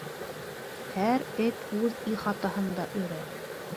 — Һәр эт үҙ ихатаһында өрә!